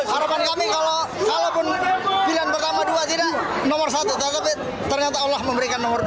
harapan kami kalaupun pilihan pertama dua tidak nomor satu tetapi ternyata allah memberikan nomor dua